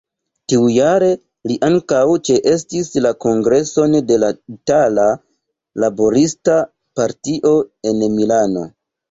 Tiujare li ankaŭ ĉeestis la kongreson de la Itala Laborista Partio en Milano.